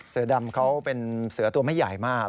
เสือดำเขาเป็นเสือตัวไม่ใหญ่มาก